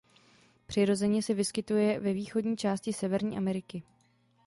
Přirozeně se vyskytuje ve východní části Severní Ameriky.